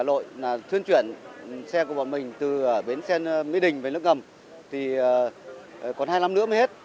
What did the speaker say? hà nội là thuyên chuyển xe của bọn mình từ bến xe mỹ đình về nước ngầm thì còn hai năm nữa mới hết